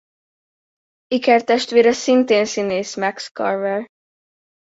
Ikertestvére szintén színész Max Carver.